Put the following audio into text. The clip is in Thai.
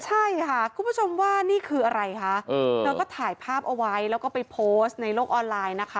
ใช่ค่ะคุณผู้ชมว่านี่คืออะไรคะเธอก็ถ่ายภาพเอาไว้แล้วก็ไปโพสต์ในโลกออนไลน์นะคะ